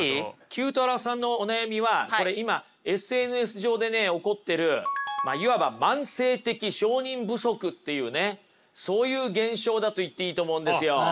９太郎さんのお悩みはこれ今ＳＮＳ上で起こってるまあいわば慢性的承認不足っていうねそういう現象だと言っていいと思うんですよ。